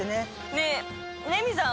ねえレミさん